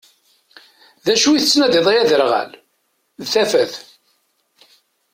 D acu i tettnadi-ḍ ay aderɣal? D tafat.